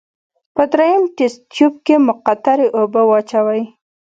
په دریم تست تیوب کې مقطرې اوبه واچوئ.